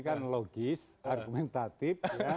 kan logis argumentatif